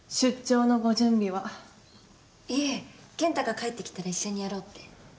いえ健太が帰ってきたら一緒にやろうって。